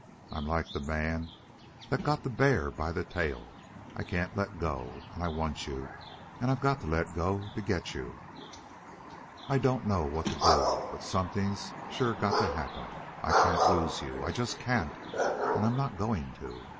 I'm like the man that got the bear by the tail. I can't let go; and I want you, and I've got to let go to get you. "I don't know what to do, but something's sure got to happen I can't lose you. I just can't. And I'm not going to.